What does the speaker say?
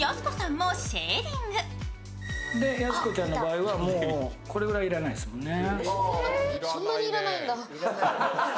やす子ちゃんの場合はもう、これぐらい要らないですからね。